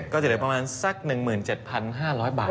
ก็จะเหลือประมาณสัก๑๗๕๐๐บาท